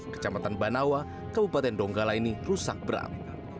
kecamatan banawa kabupaten donggala ini rusak berat